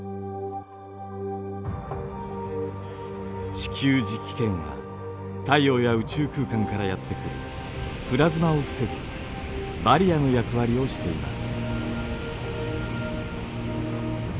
地球磁気圏は太陽や宇宙空間からやって来るプラズマを防ぐバリアの役割をしています。